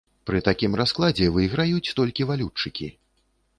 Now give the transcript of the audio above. Пры такім раскладзе выйграюць толькі валютчыкі.